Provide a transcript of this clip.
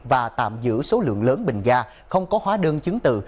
và tạm giữ số lượng lớn bình ga không có hóa đơn chứng từ